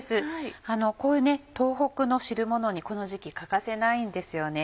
こういう東北の汁ものにこの時期欠かせないんですよね。